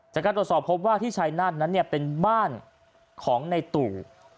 จากการตรวจสอบพบว่าที่ชายนาฏนั้นเป็นบ้านของในตู่